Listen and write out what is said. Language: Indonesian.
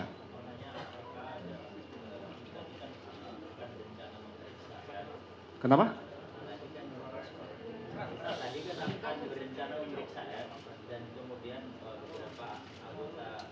kita tadi kenapa tadi berencana memeriksa f dan kemudian berapa anggota